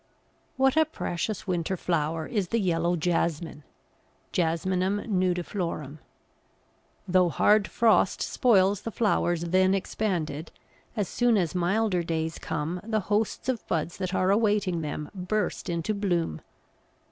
What a precious winter flower is the yellow Jasmine (Jasminum nudiflorum). Though hard frost spoils the flowers then expanded, as soon as milder days come the hosts of buds that are awaiting them burst into bloom.